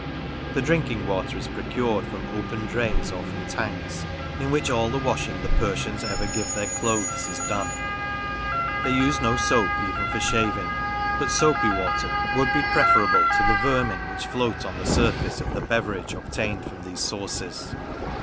The drinking water is pro cured from open drains, or from tanks, in which all the washing the Persians ever give their clothes is done. They use no soap even for shaving ; but soapy water would be preferable to the vermin which float on the surface of the beverage obtained from these sources.